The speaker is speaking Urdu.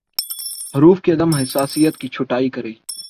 حروف کی عدم حساسیت کی چھٹائی کریں